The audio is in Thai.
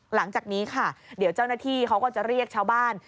หลังจากนี้ค่ะเดี๋ยวเจ้าหน้าที่เขาก็จะเรียกชาวบ้าน